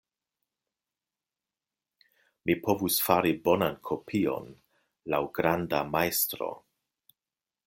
Mi povus fari bonan kopion laŭ granda majstro.